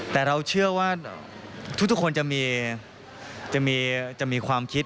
แต่เราเชื่อว่าทุกคนจะมีความคิด